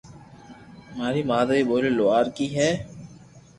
مارو مادري ٻولي لوھارڪي ھي